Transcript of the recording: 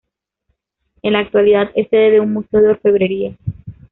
En la actualidad es sede de un museo de orfebrería.